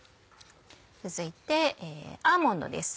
続いてアーモンドです。